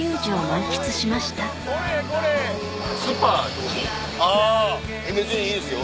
一行は別にいいですよ